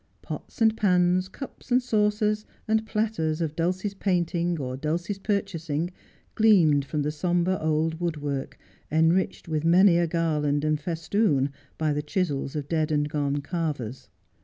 Pots and pans, cups and saucers, and platters of Dulcie's painting or Dulcie's pur chasing, gleamed from the sombre old woodwork, enriched with many a garland and festoon by the chisels of dead and gone carvers.